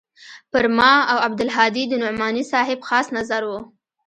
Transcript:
پر ما او عبدالهادي د نعماني صاحب خاص نظر و.